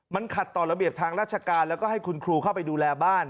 มันขัดต่อระเบียบทางราชการแล้วก็ให้คุณครูเข้าไปดูแลบ้าน